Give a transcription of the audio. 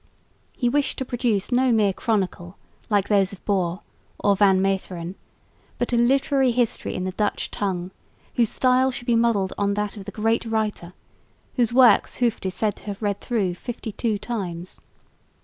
He wished to produce no mere chronicle like those of Bor or Van Meteren, but a literary history in the Dutch tongue, whose style should be modelled on that of the great Roman writer, whose works Hooft is said to have read through fifty two times.